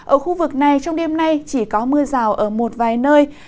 ở khu vực này trong đêm nay chỉ có mưa rào ở một vài nơi